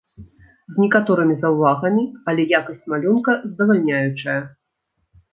З некаторымі заўвагамі, але якасць малюнка здавальняючая.